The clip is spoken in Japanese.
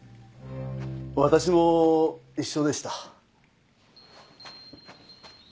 私も一緒でした。